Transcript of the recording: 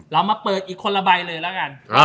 เรามาเปิดอีกคนละใบเลยแล้วกัน